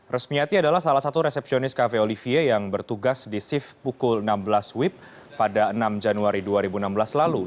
resmiati adalah salah satu resepsionis cafe olivier yang bertugas di sif pukul enam belas wib pada enam januari dua ribu enam belas lalu